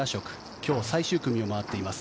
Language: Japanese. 今日最終組を回っています。